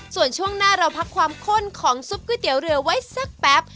ส่วนช่วงหน้าเราพักความข้นของซุปก๋วยเตี๋ยวเรือไว้สักแป๊บ